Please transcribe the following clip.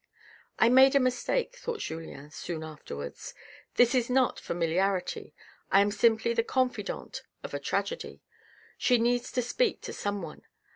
" I made a mistake,'' thought Julien soon afterwards. "This is not familiarity, I am simply the confidante of a tragedy, she needs to speak to someone.